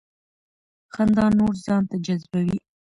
خندا نور ځان ته جذبوي.